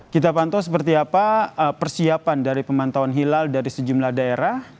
kita pantau seperti apa persiapan dari pemantauan hilal dari sejumlah daerah